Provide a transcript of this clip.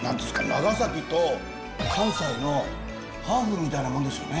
長崎と関西のハーフみたいなものですよね。